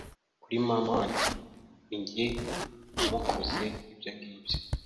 kuri mama wanyu ninjye umukoze ibyo ngibyo